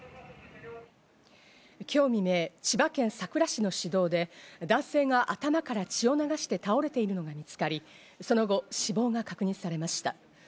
今日未明、千葉県佐倉市の市道で、男性が頭から血を流して倒れているのが見つかり、その後、死亡が確認されました。